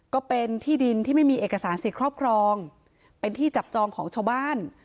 ก็เป็นที่ดินที่ไม่มีเอกสารสิทธิ์ครอบครองเป็นที่จับจองของชาวบ้าน